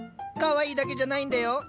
かわいいだけじゃないんだよ。